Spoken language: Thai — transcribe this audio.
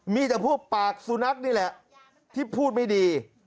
มีแต่พวกปากสุนัขนี่แหละที่พูดไม่ดี